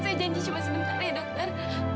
saya janji cuma sebentar ya dokter